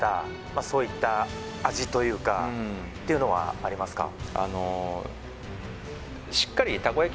まあそういった味というかっていうのはありますか？